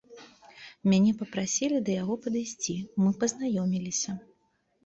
Мяне папрасілі да яго падысці, мы пазнаёміліся.